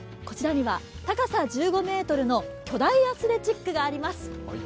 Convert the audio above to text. こちらには高さ１５ｍの巨大アスレチックがあります。